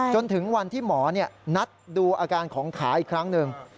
จนถึงวันที่หมอนัดดูอาการของขาอีกครั้งหนึ่ง